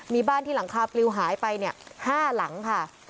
มีบ้านที่หลังคาปลิวหายไป๕หลังค่ะ